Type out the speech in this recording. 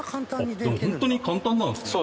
ホントに簡単なんですね。